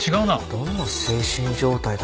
どんな精神状態だったら